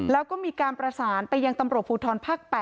แล้วก็มีการประสานไปยังตำรวจภูทรภาค๘